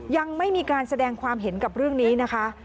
ยังไม่มีการแสดงความเห็นกับเรื่องนี้นะคะ